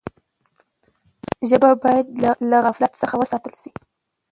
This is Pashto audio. ژبه باید له غفلت څخه وساتل سي.